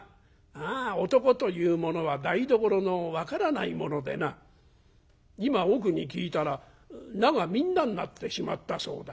あ男というものは台所の分からないものでな今奥に聞いたら菜が皆になってしまったそうだ。